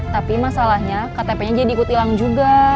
tapi masalahnya ktpnya jadi ikut hilang juga